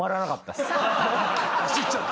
走っちゃって？